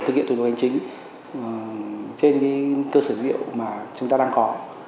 thủ tục hành chính trên cơ sở liệu mà chúng ta đang có